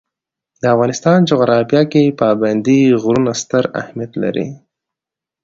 د افغانستان جغرافیه کې پابندی غرونه ستر اهمیت لري.